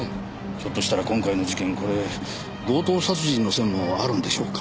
ひょっとしたら今回の事件これ強盗殺人の線もあるんでしょうか。